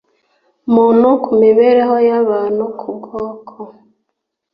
muntu ku mibereho y abantu ku bwoko